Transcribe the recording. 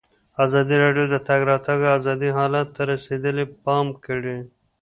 ازادي راډیو د د تګ راتګ ازادي حالت ته رسېدلي پام کړی.